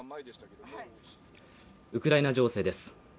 ウクライナ情勢です。